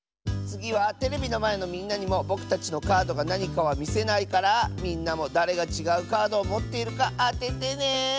つぎはテレビのまえのみんなにもぼくたちのカードがなにかはみせないからみんなもだれがちがうカードをもっているかあててね！